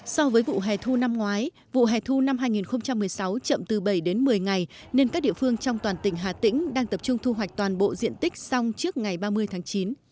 so với vụ hè thu năm ngoái vụ hè thu năm hai nghìn một mươi sáu chậm từ bảy đến một mươi ngày nên các địa phương trong toàn tỉnh hà tĩnh đang tập trung thu hoạch toàn bộ diện tích xong trước ngày ba mươi tháng chín